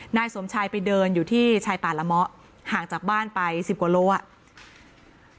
นายสมชายไปเดินอยู่ที่ชายป่าละเมาะห่างจากบ้านไปสิบกว่าโลอ่ะ